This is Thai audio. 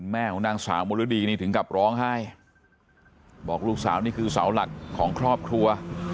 แม่ของนางสาวมรดีนี่ถึงกับร้องไห้บอกลูกสาวนี่คือเสาหลักของครอบครัว